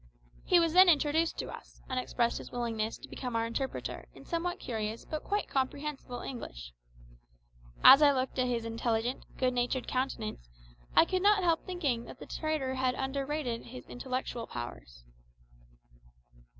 He was then introduced to us, and expressed his willingness to become our interpreter in somewhat curious but quite comprehensible English. As I looked at his intelligent, good natured countenance, I could not help thinking that the trader had underrated his intellectual powers.